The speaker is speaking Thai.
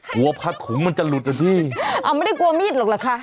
ผ้าถุงมันจะหลุดอ่ะสิเอาไม่ได้กลัวมีดหรอกเหรอคะ